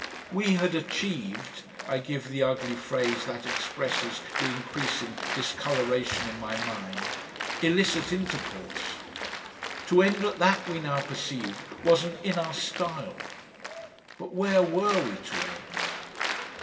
We had achieved I give the ugly phrase that expresses the increasing discolouration in my mind "illicit intercourse." To end at that, we now perceived, wasn't in our style. But where were we to end?...